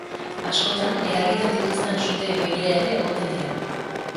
Askotan eragiten dituzten suteei begira ere egoten dira.